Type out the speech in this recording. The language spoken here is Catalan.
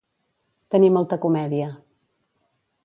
Tenir molta comèdia.